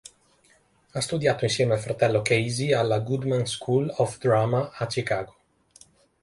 Ha studiato insieme al fratello Casey alla Goodman School of Drama a Chicago.